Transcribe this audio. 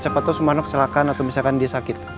siapa tau ia kesalahan atau misalkan dia sakit